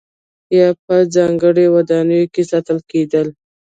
یا به په ځانګړو ودانیو کې ساتل کېدل.